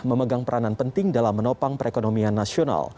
memegang peranan penting dalam menopang perekonomian nasional